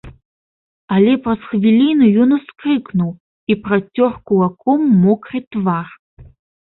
Але праз хвіліну ён ускрыкнуў і працёр кулакамі мокры твар.